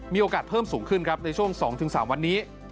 มีโอกาสเพิ่มสูงขึ้นครับในช่วง๒๓วันนี้